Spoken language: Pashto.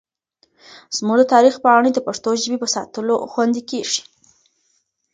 زموږ د تاریخ پاڼې د پښتو ژبې په ساتلو خوندي کېږي.